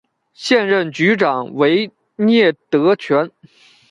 现任局长为聂德权。